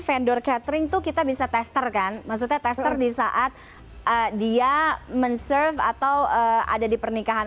vendor catering tuh kita bisa tester kan maksudnya tester di saat dia men surve atau ada di pernikahan